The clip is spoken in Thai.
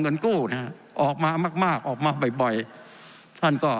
เงินกู้ออกมามากออกมาบ่อยท่านก็